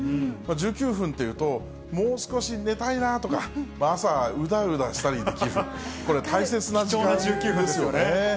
１９分というと、もう少し寝たいなとか、朝、うだうだしたりできる、これ、大切な時間ですよね。